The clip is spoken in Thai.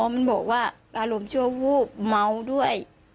มันบอกว่าอารมณ์ชั่ววูบเมาด้วย